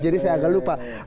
jadi saya agak lupa